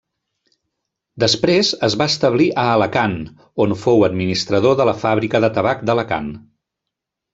Després es va establir a Alacant, on fou administrador de la Fàbrica de Tabac d'Alacant.